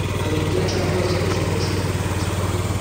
a veintiocho nudos es imposible.